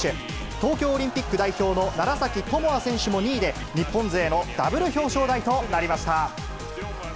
東京オリンピック代表の楢崎智亜選手も２位で、日本勢のダブル表彰台となりました。